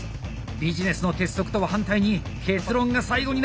ビジネスの鉄則とは反対に結論が最後になってしまった！